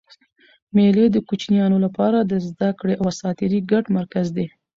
مېلې د کوچنيانو له پاره د زدهکړي او ساتېري ګډ مرکز دئ.